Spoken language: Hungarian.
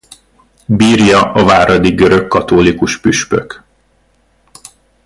Bírja a váradi görög katholikus püspök.